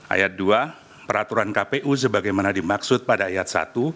ayat dua peraturan kpu sebagaimana dimaksud pada ayat satu